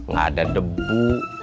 gak ada debu